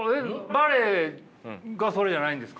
バレエがそれじゃないんですか？